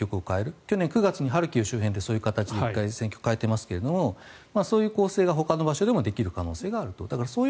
去年９月にハルキウでそういう形で１回戦局を変えていますがそういうことがほかのところでできる可能性があると。